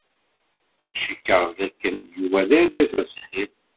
Cikkeɣ dakken Yuba d argaz aṣeḥḥi.